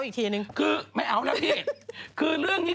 คือไม่เอานะพี่